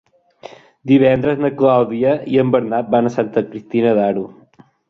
Divendres na Clàudia i en Bernat van a Santa Cristina d'Aro.